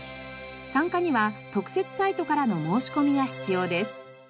参加には特設サイトからの申し込みが必要です。